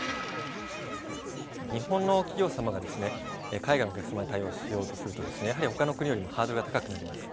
日本の企業様が海外のお客様に対応しようとすると、やはりほかの国よりもハードルが高くなります。